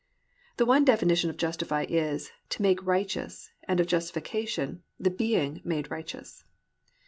The one definition of Justify is, to make righteous, and of Justification, the being made righteous.